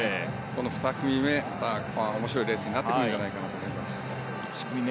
この２組目、面白いレースになってくるのではないかと思います。